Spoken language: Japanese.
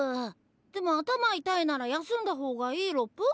でも頭痛いなら休んだ方がいいロプ。